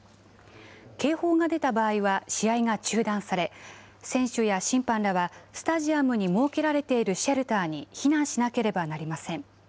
警報が出た場合は、試合が中断され、選手や審判らはスタジアムに設けられているシェルターに避難しなければなりません。